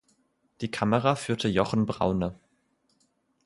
Die Kamera führte Jochen Braune.